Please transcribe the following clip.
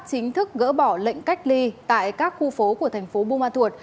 chính thức gỡ bỏ lệnh cách ly tại các khu phố của thành phố buôn ma thuột